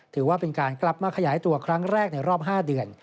ถือว่าเป็นการกลับมาขยายตัวครั้งแรกในรอบ๕เดือน